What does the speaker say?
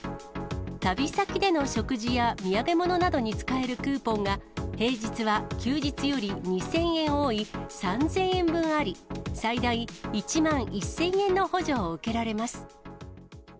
旅先での食事や土産物などに使えるクーポンが、平日は休日より２０００円多い、３０００円分あり、最大１万１０００円の補助を受けられます。